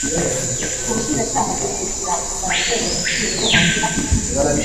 ubushinjacyaha bwihutira gusaba urwego rubifitiye uburenganzira